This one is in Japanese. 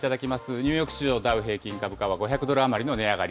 ニューヨーク市場ダウ平均株価は５００ドル余りの値上がり。